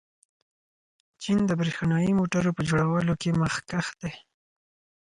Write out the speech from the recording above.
چین د برښنايي موټرو په جوړولو کې مخکښ دی.